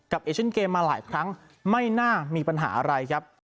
เอเชนเกมมาหลายครั้งไม่น่ามีปัญหาอะไรครับ